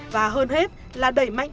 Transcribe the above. và hơn hết là đẩy mạnh